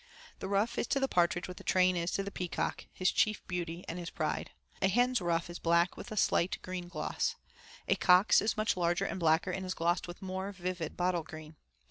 The ruff is to the partridge what the train is to the peacock his chief beauty and his pride. A hen's ruff is black with a slight green gloss. A cock's is much larger and blacker and is glossed with more vivid bottle green.